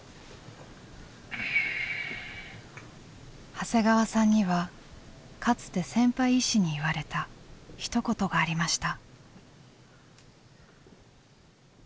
長谷川さんにはかつて先輩医師に言われたひと言がありました。